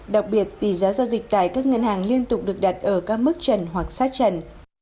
đặc biệt tỷ giá giao dịch tại các ngân hàng liên tục được đặt ở các mức trần hoặc sát trần